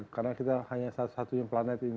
karena kita hanya satu satunya planet ini